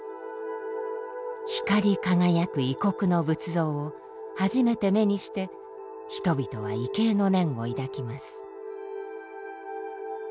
光り輝く異国の仏像を初めて目にして人々は畏敬の念を抱きます。